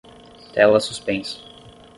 Tela suspensa